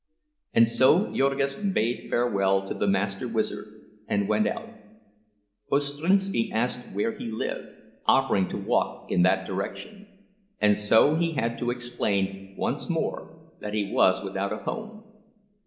And so Jurgis bade farewell to the master wizard, and went out. Ostrinski asked where he lived, offering to walk in that direction; and so he had to explain once more that he was without a home.